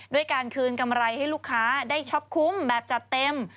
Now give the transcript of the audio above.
ด้วยการคืนกำไรให้ลูกค้าได้ช็อปคุ้มแบบจัดเต็ม